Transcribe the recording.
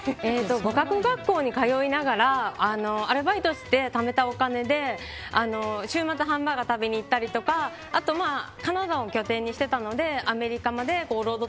語学学校に通いながらアルバイトしてためたお金で週末、ハンバーガーを食べに行ったりとかあとカナダを拠点にしていたのでアメリカまでロード